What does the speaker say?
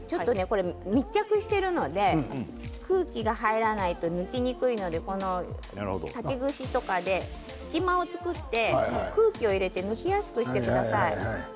密着しているので空気が入らないと抜きにくいので竹串とかで隙間を作って空気を入れて抜きやすくしてください。